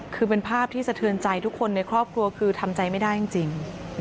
คือเป็นภาพที่สะเทือนใจทุกคนในครอบครัวคือทำใจไม่ได้จริง